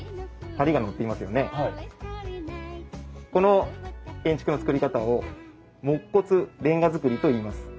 この建築の造り方を木骨煉瓦造りといいます。